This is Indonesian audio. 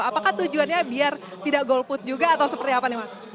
apakah tujuannya biar tidak golput juga atau seperti apa nih mas